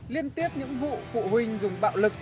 liên tiếp những vụ phụ huynh dùng bạo lực